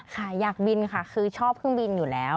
ค่ะอยากบินค่ะคือชอบเครื่องบินอยู่แล้ว